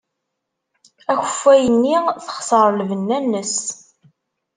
Akeffay-nni texṣer lbenna-nnes.